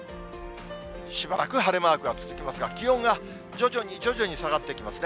しばらく晴れマークが続きますが気温が徐々に徐々に下がってきますね。